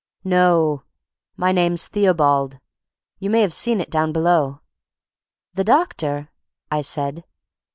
"No, my name's Theobald. You may have seen it down below." "The doctor?" I said.